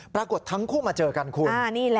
ปรากฏทั้งคู่มาเจอกันคุณ